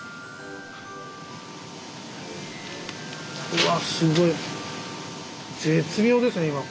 うわすごい絶妙ですね。